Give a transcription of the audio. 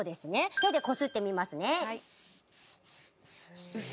手でこすってみますねウソ？